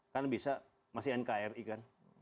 kan bisa masih nkri kan